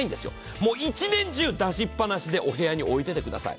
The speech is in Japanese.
もう１年中出しっぱなしでお部屋に置いておいてください。